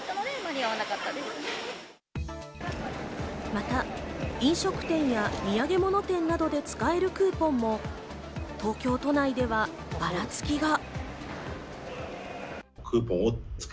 また飲食店や土産物店などで使えるクーポンも東京都内ではばらつきが。